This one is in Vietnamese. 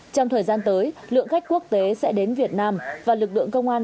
trong thời gian tới lượng khách quốc tế sẽ đến việt nam và lực lượng công an